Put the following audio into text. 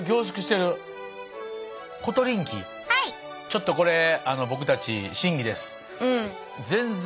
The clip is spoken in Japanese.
ちょっとこれ僕たち審議です。